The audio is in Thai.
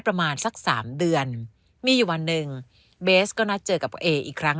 ประมาณสักสามเดือนมีอยู่วันหนึ่งเบสก็นัดเจอกับเออีกครั้ง